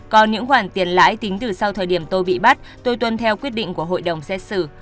còn những khoản tiền lãi tính từ sau thời điểm tôi bị bắt tôi tuân theo quyết định của hội đồng xét xử